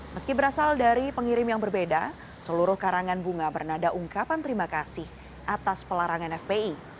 meski berasal dari pengirim yang berbeda seluruh karangan bunga bernada ungkapan terima kasih atas pelarangan fpi